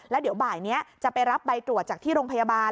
แล้วเดี๋ยวบ่ายนี้จะไปรับใบตรวจจากที่โรงพยาบาล